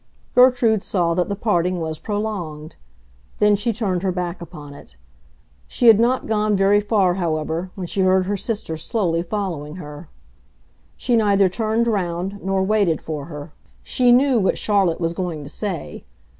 Gertrude saw that the parting was prolonged. Then she turned her back upon it. She had not gone very far, however, when she heard her sister slowly following her. She neither turned round nor waited for her; she knew what Charlotte was going to say.